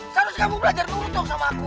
harus kamu belajar nurut dong sama aku